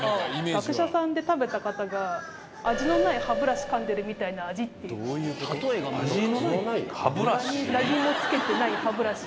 学者さんで食べた方が、味のない歯ブラシかんでるみたい味のない歯ブラシ？